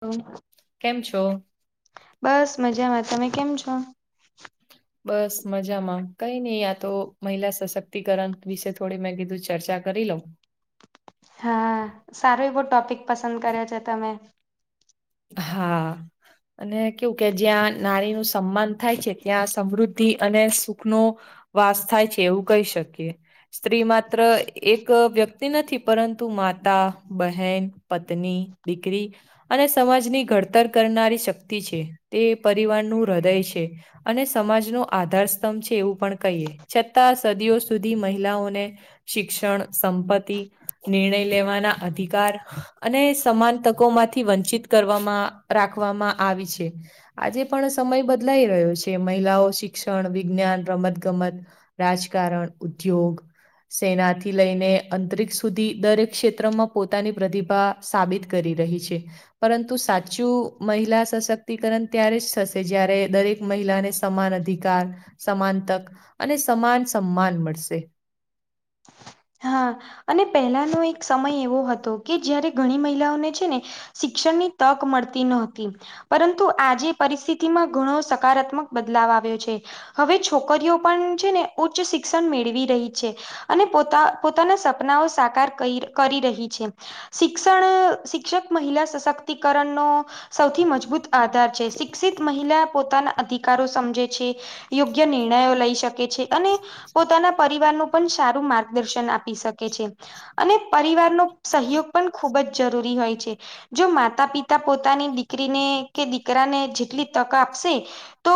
Hello કેમ છો? બસ મજામાં તમે કેમ છો? બસ મજામાં. કઈ નહી, આ તો મહિલા સશક્તિકરણ વિશે થોડી મેં કીધું ચર્ચા કરી લઉ. હા, સારો એવો ટોપિક પસંદ કર્યો છે તમે. હા આ. અને કેવું કે જ્યાં નારી નું સન્માન થાય છે. ત્યાં સમૃદ્ધિ અને સુખ નો વાસ થાય છે એવું કહી શકીએ. સ્ત્રી માત્ર એક વ્યક્તિ નથી પરંતુ માતા બહેન પત્ની દીકરી અને સમાજની ઘડતર કરનારી શક્તિ છે તે પરિવારનુ હૃદય છે. અને સમાજનો આધાર સ્તંભ છે એવું પણ કહીએ. છતાં સદીઓ સુધી મહિલાઓને શિક્ષણ સંપત્તિ નિર્ણય લેવાના અધિકાર અને સમાન તકોમાંથી વંચિત કરવામાં રાખવામાં આવી છે. આજે પણ સમય બદલાઈ રહ્યો છે મહિલાઓ શિક્ષણ વિજ્ઞાન રમત ગમત રાજકારણ, ઉદ્યોગ સેનાથી લઈને અંતરિક્ષ સુધી દરેક ક્ષેત્રમાં પોતાની પ્રતિભા સાબિત કરી રહી છે. પરંતુ સાચું મહિલા સશક્તિકરણ ત્યારે જ થશે જ્યારે દરેક મહિલાને સમાન અધિકાર સમાન તક અને સમાન સન્માન મળશે. હા અને પહેલાનો એક સમય એવો હતો કે જ્યારે ઘણી મહિલાઓને છે ને શિક્ષણની તક મળતી નહોતી. પરંતુ આજે પરિસ્થિતિમાં ઘણો સકારાત્મક બદલાવ આવ્યો છે. હવે છોકરીઓ પણ છે ને ઉચ્ચ શિક્ષણ મેળવી રહી છે અને પોતા પોતાના સપનાઓ સાકાર કરી કરી રહી છે. શિક્ષણ શિક્ષક મહિલા સશક્તિકરણનો સૌથી મજબૂત આધાર છે શિક્ષિત મહિલા પોતાના અધિકારો સમજે છે. યોગ્ય નિર્ણયો લઈ શકે છે અને પોતાના પરિવારનું પણ સારું માર્ગ- દર્શન આપી શકે છે અને પરિવારનો સહયોગ પણ ખૂબ જ જરૂરી હોય છે. જો માતા પિતા પોતાની દીકરીને કે દીકરાને જેટલી તક આપશે તો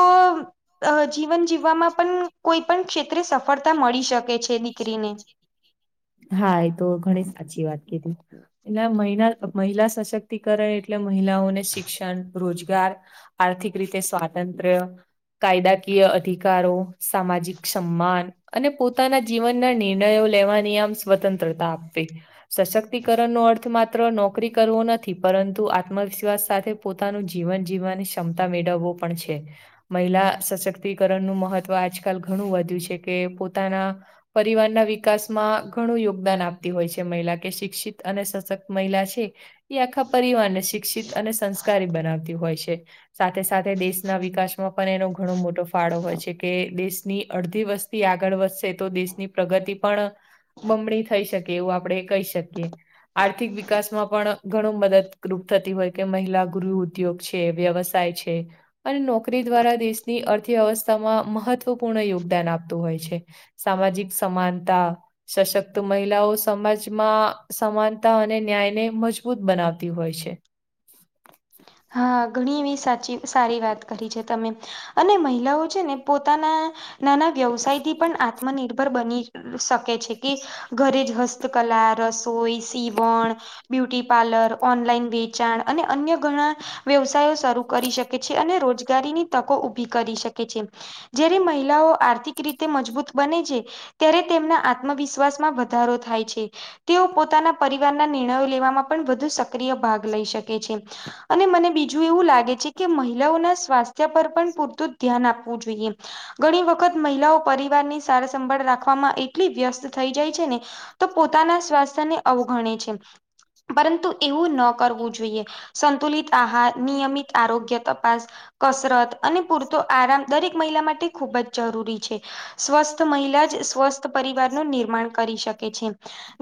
[inaudible] અ જીવન જીવવામાં પણ કોઈ પણ ક્ષેત્રે સફળતા મળી શકે છે દીકરીને હા એ તો ઘણી સાચી વાત કીધી એટલે મહિલા મહિલા સશક્તિકરણ એટલે - મહિલાઓને શિક્ષણ રોજગાર આર્થિક રીતે સ્વાતંત્ર કાયદાકીય અધિકારો સામાજિક સન્માન અને પોતાના જીવનના નિર્ણયો લેવાની આમ સ્વતંત્રતા આપવી સશક્તિકરણ નો અર્થ માત્ર નોકરી કરવો નથી પરંતુ આત્મવિશ્વાસ સાથે પોતાનું જીવન જીવવાની ક્ષમતા મેળવવો પણ છે. મહિલા સશક્તિકરણનું મહત્વ આજકાલ ઘણું વધ્યું છે કે પોતાના પરિવારના વિકાસમાં ઘણું યોગદાન આપતી હોય છે મહિલા કે શિક્ષિત અને સશક્ત મહિલા છે એ આખા પરિવારને શિક્ષિત અને સંસ્કારી બનાવતી હોય છે. સાથે સાથે દેશના વિકાસમાં પણ એનો ઘણો મોટો ફાળો હોય છે કે દેશની અડધી વસ્તી આગળ વધશે તો દેશની પ્રગતિ પણ બમણી થઈ શકે એવું આપડણે કહી શકીએ. આર્થિક વિકાસમાં પણ ઘણું મદદરૂપ થતી હોય કે મહિલા ગુરુ ઉદ્યોગ છે વ્યવસ્થા છે. અને નોકરી દ્વારા દેશની અર્થવ્યવસ્થામાં મહત્વપૂર્ણ યોગદાન આપતું હોય છે. સામાજિક સમાનતા સશક્ત મહિલાઓ સમાજમાં સમાનતા અને ન્યાયને મજબૂત બનાવતી હોય છે. હા ઘણી એવી સાચી સારી વાત કરી છે તમે. અને મહિલાઓ છે ને પોતાના નાના વ્યવસાય થી પણ આત્મનિર્ભર બની શકે છે કે ઘરે જ હસ્ હસ્તકલા રસોઈ સીવણ બ્યુટી પાર્લર ઓનલાઈન વેચાણ અને અન્ય ઘણા વ્યવસાયો શરૂ કરી શકે છે અને રોજગારીની તકો ઊભી કરી શકે છે. જ્યારે મહિલાઓ આર્થિક રીતે મજબૂત બને છે. ત્યારે તેમના આત્મવિશ્વાસ માં વધારો થાય છે. તેઓ પોતાના પરિવારના નિર્ણયો લેવામાં પણ વધુ સક્રિય ભાગ લઈ શકે છે. અને મને બીજું લાગે છે કે મહિલાઓના સ્વાસ્થ્ય પર પણ પૂરતું ધ્યાન આપવું જોઈએ. ઘણી વખત મહિલાઓ પરિવારની સારસંભાળ રાખવામાં એટલી વ્યસ્ત થઈ જાય છે ને તો પોતાના સ્વાસ્થ્ય ને અવગણે છે. પરંતુ એવું ન કરવું જોઈએ સંતુલિત આહાર નિયમિત આરોગ્ય તપાસ કસરત અને પૂરતો આરામ દરેક મહિલા માટે ખૂબ જ જરૂરી છે. સ્વસ્થ મહિલા જ સ્વસ્થ પરિવારનું નિર્માણ કરી શકે છે.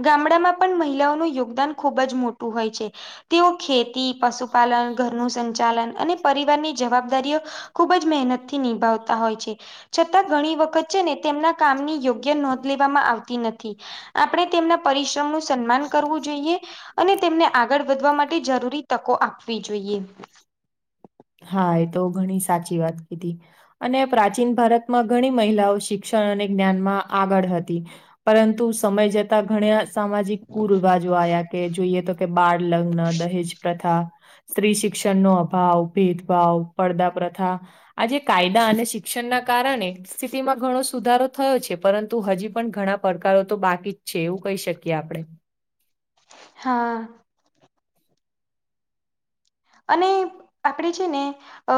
ગામડામાં પણ મહિલાઓનું યોગદાન ખુબ જ મોટું હોય છે તેઓ ખેતી પશુ પાાલન ઘરનું સંચાલન અને પરિવારની જવાબદારીઓ ખુબ જ મહેનત થી નિભાવતા હોય છે. છતાં ઘણી વખત છે ને તેમના કામની યોગ્ય નોંધ લેવામાં આવતી નથી. આપણે તેમના પરિશ્રમ નું સન્માન કરવું જોઈએ. અને તેમને આગળ વધવા માટે જરૂરી તકો આપવી જોઈએ. હા એ તો ઘણી સાચી વાત કીધી. અને પ્રાચીન ભારતમાં ઘણી મહિલાઓ શિક્ષણ અને જ્ઞાનમાં આગળ હતી. પરંતુ સમય જતા ધન્યા સામાજિક કુરિવાજો જો આયા કે જોઈએ તો કે બાળ લગ્ન દહેજ પ્રથા. સ્ત્રી શિક્ષણનો અભાવ ભેદભાવ પળદા પ્રથા. આજે કાયદા અને શિક્ષણ ના કારણે સ્થિતિમાં ઘણો સુધારો થયો છે પરંતુ હજી પણ ઘણા પડકારો તો બાકી જ છે એવું કહી શકીએ આપણે હા. અને આપણે છે ને અ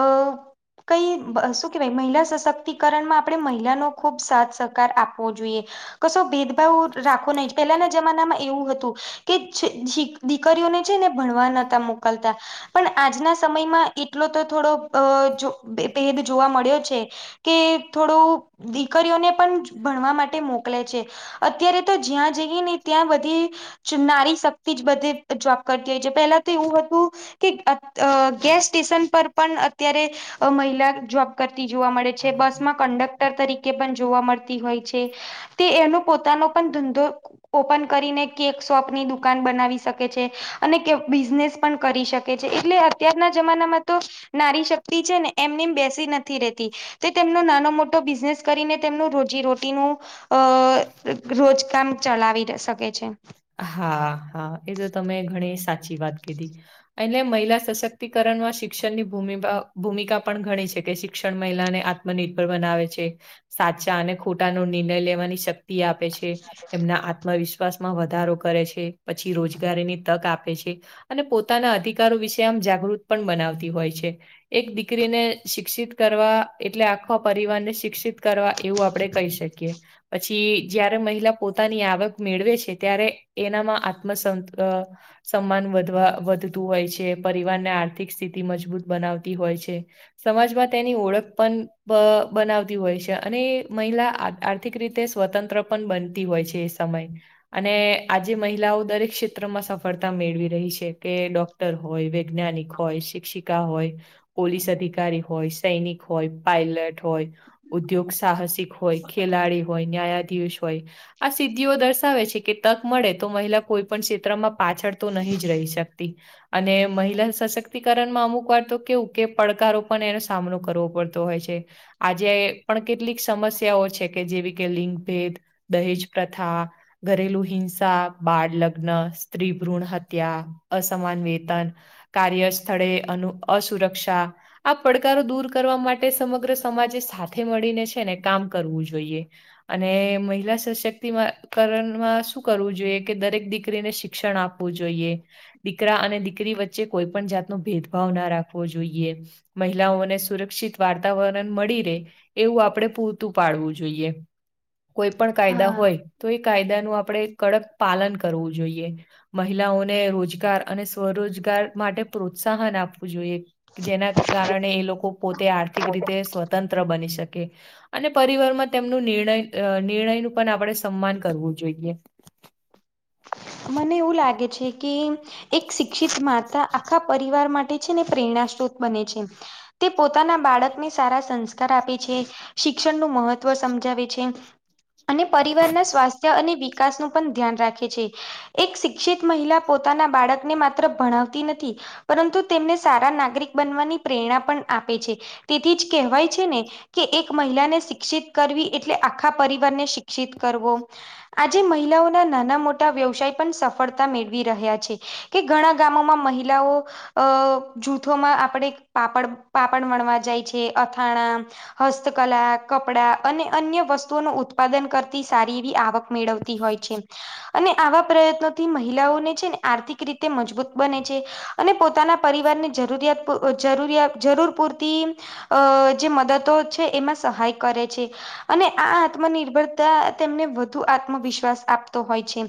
કઈ શું કહેવાય મહિલા સશક્તિકરણમાં આપણે મહિલાનો ખૂબ સાથ સહકાર આપવો જોઈએ. કશો ભેદભાવ રાખો નહી પહેલાના જમાનામાં એવું હતું કેછે દીકરીઓને છે ને ભણવા નતા મોકલતા પણ આજના સમયમાં એટલો તો થોડો અ જો ભેદ જોવા મળ્યો છે કે થોડું દીકરીઓને પણ ભણવા માટે મોકલે છે અત્યારે તો જ્યાં જઈએ ને ત્યાં બધી નારી શક્તિ જ બધે જોબ કરતી હોય છે પેલા તો એવું હતું કે અ ગેસ સ્ટેશન પર પણ અત્યારે મહિલા જોબ કરતી જોવા મળે છે બસમાં કન્ડક્ટર તરીકે પણ જોવા મળતી હોય છે તે એનો પોતાનો પણ ધંધો ઓપન કરીને કેક શોપની દુકાન બનાવી શકે છે અને બિઝનેસ પણ કરી શકે એટલે અત્યારના જમાનામાં તો નારી શક્તિ છે ને એમનેમ બેસી નથી રેતી તે તેમનો નાનો મોટો બિઝનેસ કરીને તેમનું રોજી રોટીનું અ રોજકામ ચલાવી શકે છે. હા હા એ તો તમે ઘણી સાચી વાત કીધી. એટલે મહિલા સશક્તિકરણ માં શિક્ષણની ભૂમિકા ભૂમિકા પણ ઘણી છે કે શિક્ષણ મહિલાને આ ત્મ નિર્બળ બનાવે છે સાચા અને ખોટા નો નિર્ણય લેવાની શ ક્તિ આપે છે એમના આત્મવિશ્વાસમાં વ ધારો કરે છે પછી રોજગારીની તક આપે છે. અને પોતાના અધિકારો વિશે આમ જાગૃત પણ બનાવતી હોય છે. એક દીકરીને શિક્ષિત કરવા એટલે આખો પરિવારને શિક્ષિત કરવા એવું આપડે કહી શ કીએ પછી જયારે મહિલા પોતાની આવક મેળવે છે ત્યારે એનામાં આત્મસંત અ સન્માન વધવા વધતું હોય છે. પરિવારને આર્થિક સ્થિતિ મજબૂત બનાવતી હોય છે. સમાજમાં તેની ઓળખ પણ બ બનાવતી હોય છે અને મહિલા આ આ ર્થિક રીતે સ્વતંત્ર પણ બનતી હોય છે એ સમય અને આજે મહિલાઓ દરેક ક્ષેત્રમાં સફળતા મેળવી રહી છે કે ડોક ટર હોય, વૈજ્ઞાનિક હોય, શિક્ષિકા હોય, પોલીસ અધિકારી હોય, સૈનિક હોય, પાયલટ હોય, ઉદ્યોગ સાહસિક હોય, ખેલાડી હોય, ન્યાયાધીશ હોય આ સિદ્ધિઓ દર્શાવે છે કે તક મળે તો મહિલા કોઈ પણ ક્ષેત્રમાં પાછળ તો નહી જ રહી શકતી અને મહિલા સશક્તિકરણમાં અમુક વાર તો કેવું કે પડકારો પણ એનો સામનો કરવો પડતો હોય છે. આજે પણ કેટલીક સમસ્યાઓ છે કે જેવી કે લિંગ ભેદ, દહેજ પ્રથા આ, ઘરેલું હિંસા, બાળ લગ્ન, સ્ત્રી ભ્રૂણહત્યા, અસમાન વેતન, કાર્ય સ્થળે અનુ અસુરક્ષા, આ પડકારો દૂર કરવા માટે સમગ્ર સમાજે સાથે મળીને છે ને કામ કરવું જોઈએ. અને મહિલા સશક્તિ માં કરણમાં શું કરવું જોઈએ કે દરેક દીકરીને શિક્ષણ આપવું જોઈએ. દીકરા અને દીકરી વચ્ચે કોઈ પણ જાતનો ભેદભાવ ના રાખવો જોઈએ. મહિલાઓને સુરક્ષિત વાર્તાવરણ મળી રહેે એવું આપણેે પૂરતું પાડવું જોઈએ કોઈ પણ કાયદા હા હોય તો એ કાયદાનું આપણે કડક પાલન કરવું જોઈએ. મહિલાઓને રોજગાર અને સ્વરોજગાર માટે પ્રોત્સાહન આપવું જોઈએ. જેના કારણે એ લોકો પોતે આર્થિક રીતે સ્વ તંત્ર બની શકે અને પરિવારમાં તેમનું નિર્ણય અ નિર્ણય ન પણ આપડે સન્માન કરવું જોઈએ. મને એવું લાગે છે કે એક શિક્ષિત માતા આખા પરિવાર માટે છે ને પ્રેરણાસ્ત્રોત બને છે. તે પોતાના બાળકને સારા સંસ્કાર આપે છે. શિક્ષણનું મહત્વ સમજાવે છે. અને પરિવારના સ્વાસ્થ્ય અને વિકાસ નું પણ ધ્યાન રાખે છે. એક શિક્ષિત મહિલા પોતાના બાળકને માત્ર ભણાવતી નથી પરંતુ તેમને સારા નાગરિક બનવાની પ્રેરણા પણ આપે છે તેથી જ કહેવાય છે ને કે એક મહિલાને શિક્ષિત કરવી એટલે આખા પરિવારને શિક્ષિત કરવો આજે મહિલાઓના નાના મોટા વ્યવસાય પણ સફળતા મેળવી રહ્યા છે. કે ઘણા ગામોમાં મહિલાઓ અ જૂથોમાં આપણે પાપડ પાપડ વણવા જાય છે. અથાણા હસ્તકલા, કપડા અને અન્ય વસ્તુઓનું ઉત્પાદન કરતી સારી એવી આવક મેળવતી હોય છે. અને આવા પ્રયત્નોથી મહિલાઓને છેને આર્થિક રીતે મજબૂત બને છે. અને પોતાના પરિવારની જરૂરિયા પૂ જરૂરિયાત જરૂર પૂરતી અ જે મદતો છે એમાં સહાય કરે છે. અને આ આત્મનિર્ભરતા તેમને વધુ આત્મવિશ્વાસ આપતો હોય છે.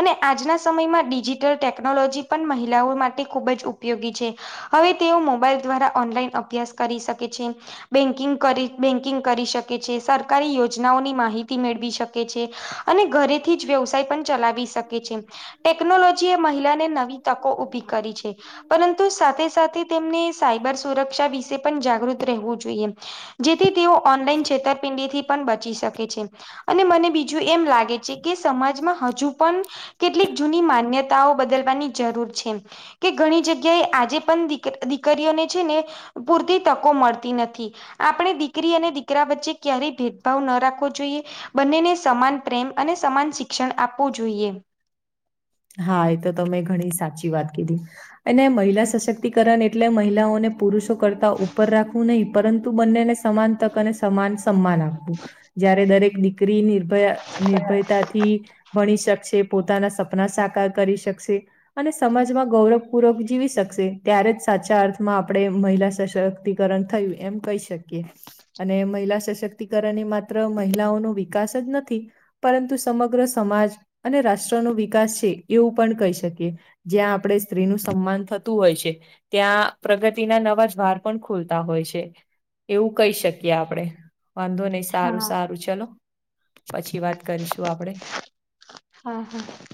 અને આજના સમયમાં ડિજિટલ ટેકનોલોજી પણ મહિલાઓ માટે ખુબ જ ઉપયોગી છે. હવે તેઓ મોબાઈલ દ્વારા ઓનલાઈન અભ્યાસ કરી શકે છે. બેકિંગ કરી બેન્કિંગ કરી શ [unintelligible] છે, સરકારી યોજનાઓની માહિતી મેળવી શકે છે અને ઘરેથી જ વ્યવસાય પ ચલાવી શકે છે. ટેકનોલોજી એ મહિલાને નવી તકો ઉભી કરી છે. પરંતુ સાથે સાથે તેમને સાયબર સુરક્ષા વિશે પણ જાગૃત રહેવું જોઈએ. જેથી તેઓ ઓનલાઈન છેતરપિંડીથી પણ બચી શકે છે. અને મને બીજું એમ લાગે છે કે સમાજમાં હ જુ પન કેટલીક જૂની માન્યતાઓ બદલવાની જરૂર છે. કે ઘણી જગ્યાએ આજે પણ દીક દીકરીઓને છેને પૂરતી તકો મળતી નથી. આપણે દીકરી અને દીકરા વચ્ચે ક્યારેય ભેદભાવ ન રાખવો જોઈએ. બંનેને સમાન પ્રેમ અને સમાન શિક્ષણ આપવું જોઈએ. હા, એ તો તમે ઘણી સાચી વાત કીધી. અને મહિલા સશક્તિકરણ એટલે મહિલાઓને પુરુષો કરતા ઉપર રાખવું નહિ પરંતુ બંનેને સમાન તક અને સમાન સમાન આપવું, જયારે દરેક દીકરીની ભય નિર્ભયતાથી ભણી શકશે પોતાના સપના સાકાર કરી શકશે અને સમાજમાં ગૌરવપૂર્વક જીવી શકશે ત્યારે જ સાચા અર્થમાં આપણે મહિલા સશક્ ક્તિકરણ થયું એમ કહી શકીએ. અને મહિલા સશક્તિકરણ એ માત્ર મહિલાઓનો વિકાસ જ નથી પરંતુ સમગ્ર સમાજ અને રાષ્ટ્રનો વિ વિકાસ છે, એવું પણ કહી શકીએ જ્યાં આપણે સ્ત્રીનું સન્માન થતું હોય છે ત્યાં પ્રગતિના નવાજ દ્વાર પણ ખુલતા હોય છે. એવું કહી શકીએ આપડે. વાંધો નહી સારું હા સારું ચલો, પછી વાત કરીશું આપડે. હા હા